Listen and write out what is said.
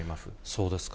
そうですか。